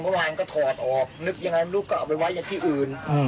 เมื่อวานก็ถอดออกนึกยังไงลูกก็เอาไปไว้อย่างที่อื่น